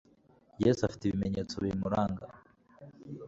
yesu afite ibimenyetsobimuranga